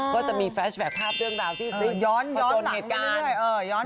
ก็จะมีแฟรชแบคภาพเรื่องราวที่กระโจรเหตุการณ์